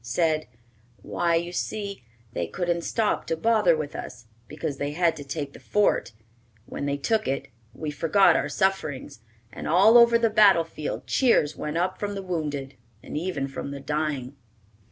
said, "Why, you see, they couldn't stop to bother with us, because they had to take the fort. When they took it, we forgot our sufferings, and all over the battle field cheers went up from the wounded, and even from the dying."